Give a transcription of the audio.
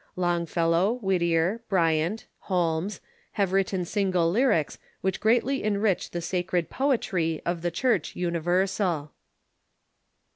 Longfellow, Whittier, Brvant, Holmes, have written single lyrics which greatly enrich the sacred poetry of the Church Universal.